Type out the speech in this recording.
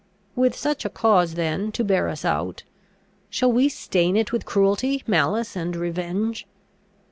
With such a cause then to bear us out, shall we stain it with cruelty, malice, and revenge?